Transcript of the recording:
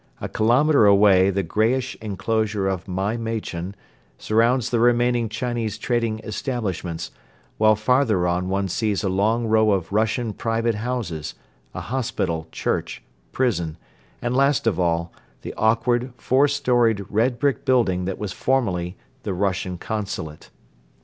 A kilometre away the greyish enclosure of Maimachen surrounds the remaining Chinese trading establishments, while farther on one sees a long row of Russian private houses, a hospital, church, prison and, last of all, the awkward four storied red brick building that was formerly the Russian Consulate.